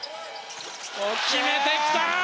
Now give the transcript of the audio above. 決めてきた。